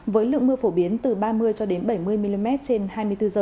với lượng mưa phổ biến từ ba mươi bảy mươi mm trên hai mươi bốn h